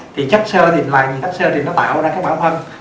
thì chất sơ thì lại chất sơ thì nó tạo ra cái bão phân